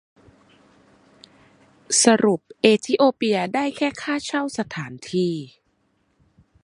สรุปเอธิโอเปียได้แค่ค่าเช่าสถานที่